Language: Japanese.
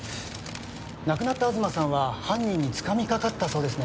亡くなった東さんは犯人につかみかかったそうですね。